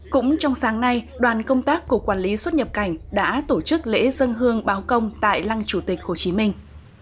cũng trong sáng nay đoàn công tác cục quản lý xuất nhập cảnh đã tổ chức lễ dân hương báo công tại lăng chủ tịch hồ chí minh